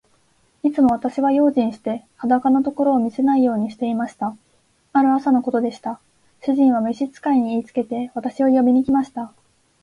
いつも私は用心して、裸のところを見せないようにしていました。ある朝のことでした。主人は召使に言いつけて、私を呼びに来ました。